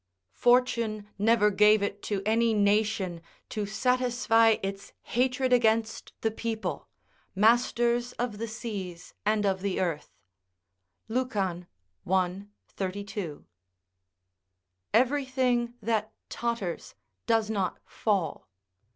["Fortune never gave it to any nation to satisfy its hatred against the people, masters of the seas and of the earth." Lucan, i. 32.] Everything that totters does not fall.